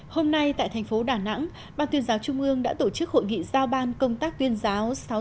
hôm nay tại thành phố đà nẵng ban tuyên giáo trung ương đã tổ chức hội nghị giao ban công tác tuyên giáo